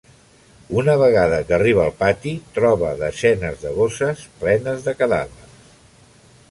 Una vegada que arriba al pati, troba desenes de bosses plenes de cadàvers.